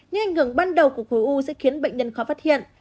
như ảnh hưởng ban đầu của khối u sẽ khiến bệnh nhân khó phát hiện